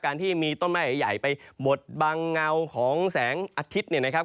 ที่มีต้นไม้ใหญ่ไปบดบังเงาของแสงอาทิตย์เนี่ยนะครับ